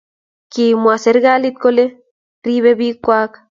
kimwa serikalit kole ribei biikwak